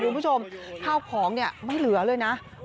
คุณผู้ชมข้าวของเนี่ยไม่เหลือเลยนะ